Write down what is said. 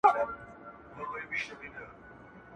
دچشمانونه مې بهیږي نن خوناب.